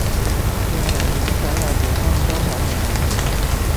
要危險所有地方都可以危險